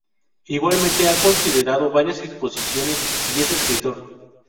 Igualmente ha comisariado varias exposiciones y es escritor.